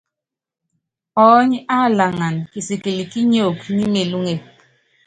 Ɔɔ́ny á laŋan kisikɛl kí niok ní melúŋe.